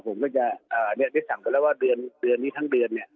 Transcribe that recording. ผมก็จะได้สั่งไปแล้วว่าเดือนนี้ทั้งเดือนเนี่ย